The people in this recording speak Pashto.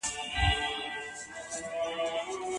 تاسو ولي له ویري نه مخ سئ.